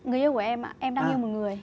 người yêu của em ạ em đang yêu một người